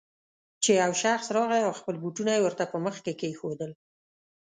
چې يو شخص راغی او خپل بوټونه يې ورته په مخ کې کېښودل.